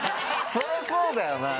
そりゃそうだよな。